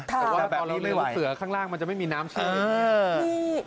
แต่ว่าแบบนี้เรียนลูกเสือข้างล่างมันจะไม่มีน้ำชีวิต